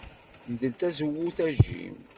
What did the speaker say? Mdel tazewwut a Jim.